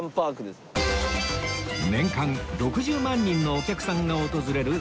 年間６０万人のお客さんが訪れる